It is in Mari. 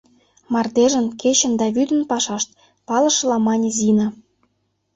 — Мардежын, кечын да вӱдын пашашт, — палышыла, мане Зина.